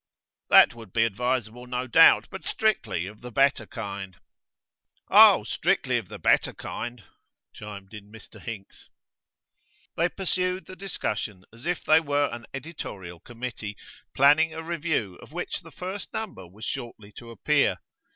'That would be advisable, no doubt. But strictly of the better kind.' 'Oh, strictly of the better kind,' chimed in Mr Hinks. They pursued the discussion as if they were an editorial committee planning a review of which the first number was shortly to appear.